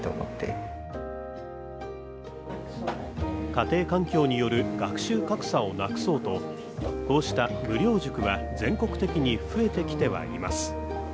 家庭環境による学習格差をなくそうとこうした無料塾は全国的に増えてきてはいます。